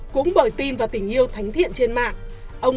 cũng bởi tin và tình yêu thánh thiện trên mạng